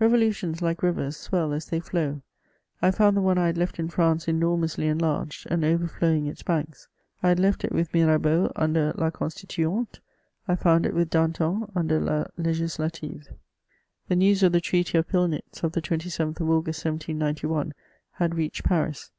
Revolutions, like rivers, swell as they flow; I found the one I had left in France enormously enlarged, and overflowing its banks ; I had left it with Mirabeau under la ConstituarUe ; I found it with Danton under la Legislative, The news of the treaty of Pilnitz, of the 27th of August, 1791, had reached Paris.